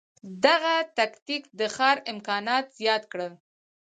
دغه تکتیک د ښکار امکانات زیات کړل.